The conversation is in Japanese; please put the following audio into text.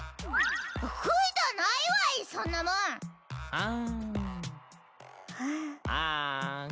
あん。